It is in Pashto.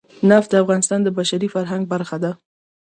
نفت د افغانستان د بشري فرهنګ برخه ده.